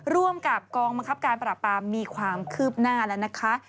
ร่วมกับกองบังคับการปราบปรามมีความคืบหน้าแล้วนะคะ